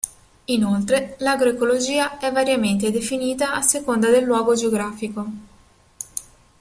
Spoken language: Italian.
Inoltre, l'agroecologia è variamente definita a seconda del luogo geografico.